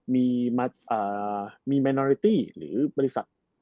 มีแมนอริตี้หรือบริษัท